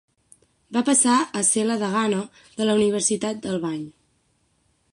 Va passar a ser la degana de la Universitat d'Albany.